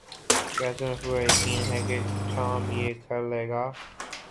کیا تمہیں پورا یقین ہے کہ ٹام یہ کر لے گا؟